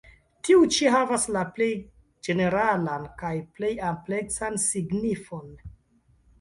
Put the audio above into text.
Tiu ĉi havas la plej ĝeneralan kaj plej ampleksan signifon.